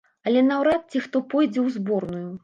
Але наўрад ці хто пойдзе ў зборную.